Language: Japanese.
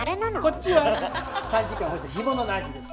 こっちは３時間干した干物のアジです。